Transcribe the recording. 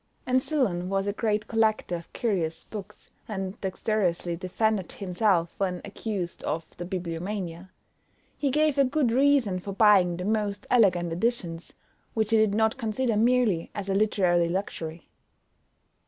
Ancillon was a great collector of curious books, and dexterously defended himself when accused of the Bibliomania. He gave a good reason for buying the most elegant editions; which he did not consider merely as a literary luxury.